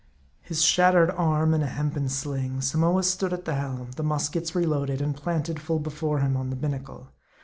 His shattered arm in a hempen sling, Samoa stood at the helm, the muskets reloaded, and planted full before him on the binnacle.